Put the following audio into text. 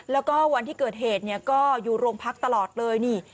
แล้วก็วันที่เกิดเหตุก็อยู่โรงพักตลอดเลยนี่